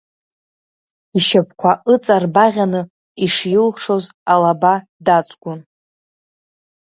Ишьапқәа ыҵарбаӷьаны, ишилшоз алаба даҵгәон.